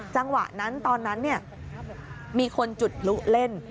จังหวะนั้นตอนนั้นมีคนจุดพลุเล่น